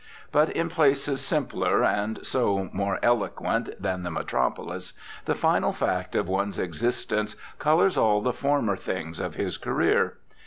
But in places simpler, and so more eloquent, than the Metropolis the final fact of one's existence colours all the former things of his career.